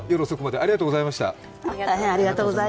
大変ありがとうございました。